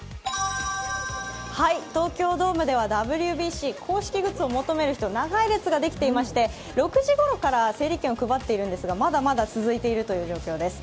東京ドームではＷＢＣ公式グッズを求める人長い列ができていまして、６時ごろから整理券を配っているんですがまだまだ続いているという状況です。